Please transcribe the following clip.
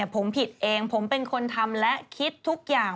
ผมผิดเองผมเป็นคนทำและคิดทุกอย่าง